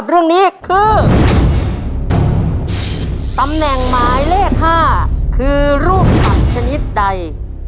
ตัวเลือดที่๓ม้าลายกับนกแก้วมาคอ